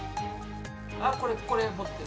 あこれ持ってる。